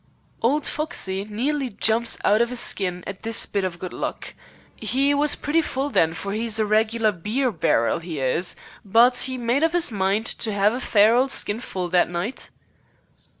Old Foxey nearly jumped out of 'is skin at this bit of good luck. 'E was pretty full then, for 'e's a regular beer barrel, 'e is, but 'e made up 'is mind to 'ave a fair old skinful that night.